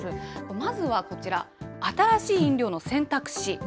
まずはこちら、新しい飲料の選択肢。